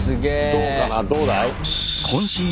どうかなどうだい？